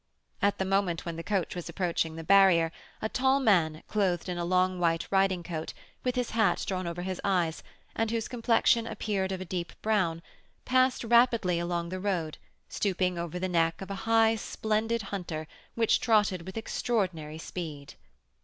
At the moment when the coach was approaching the barrier, a tall man, clothed in a long white riding coat, with his hat drawn over his eyes, and whose complexion appeared of a deep brown, passed rapidly along the road, stooping over the neck of a high, splendid hunter, which trotted with extraordinary speed.